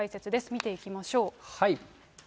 見ていきましょう。